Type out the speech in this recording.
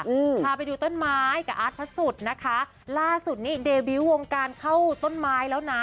อืมพาไปดูต้นไม้กับอาร์ตพระสุทธิ์นะคะล่าสุดนี้เดบิวต์วงการเข้าต้นไม้แล้วนะ